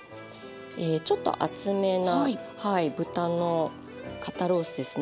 ちょっと厚めな豚の肩ロースですね。